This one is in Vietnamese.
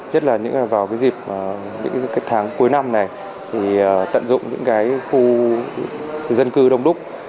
nhất là vào dịp tháng cuối năm này tận dụng những khu dân cư đông đúc